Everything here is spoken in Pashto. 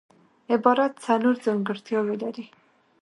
عبارت څلور ځانګړتیاوي لري.